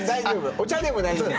お茶でも大丈夫。